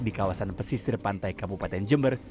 di kawasan pesisir pantai kabupaten jember